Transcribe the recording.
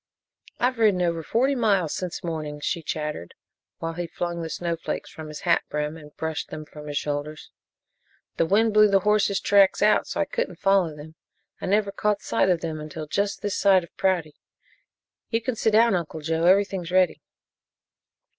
"I've ridden over forty miles since morning," she chattered, while he flung the snow flakes from his hat brim and brushed them from his shoulders. "The wind blew the horses' tracks out so I couldn't follow them. I never caught sight of them until just this side of Prouty. You can sit down, Uncle Joe everything's ready."